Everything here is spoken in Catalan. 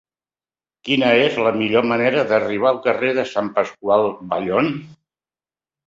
Quina és la millor manera d'arribar al carrer de Sant Pasqual Bailón?